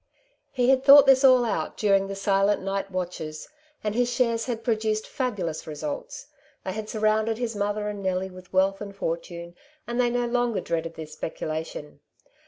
He had thought this all out during the silent night watches, and his shares had produced fabulous results — they had surrounded I 2 % 1 16 " Two Sides to every Question^ his motlier and Nellie with wealth and fortune, and they no longer dreaded the speculation.